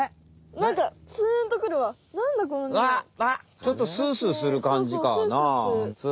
ちょっとスースーするかんじかなあ。